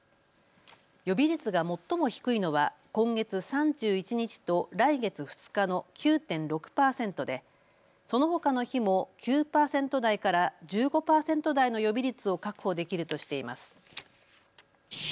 予備率が最も低いのは今月３１日と来月２日の９．６％でそのほかの日も９％台から１５％台の予備率を確保できるとしています。